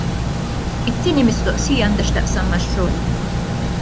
It-tieni mistoqsija għandha x'taqsam max-xogħol.